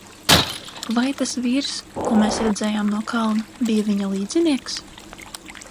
Vai tas vīrs, ko mēs redzējām no kalna, bija viņa līdzinieks?